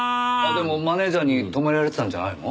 でもマネジャーに止められてたんじゃないの？